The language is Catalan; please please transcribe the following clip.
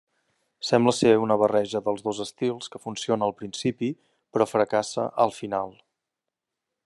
Sembla ser una barreja dels dos estils que funciona al principi, però fracassa al final.